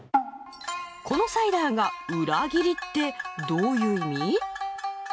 このサイダーがうらぎりってどういう意味？